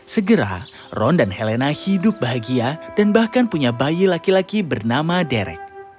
segera ron dan helena hidup bahagia dan bahkan punya bayi laki laki bernama derek